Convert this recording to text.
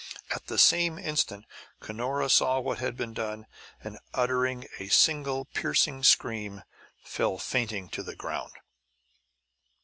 At the same instant Cunora saw what had been done; and uttering a single piercing scream, fell fainting to the ground.